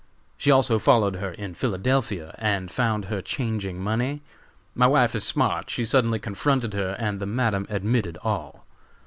She also followed her in Philadelphia and found her changing money. My wife is smart, she suddenly confronted her and the Madam admitted all.